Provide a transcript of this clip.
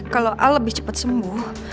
kalo al lebih cepet sembuh